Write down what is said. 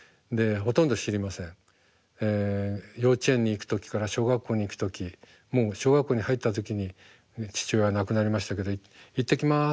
幼稚園に行く時から小学校に行く時もう小学校に入った時に父親は亡くなりましたけど「いってきます」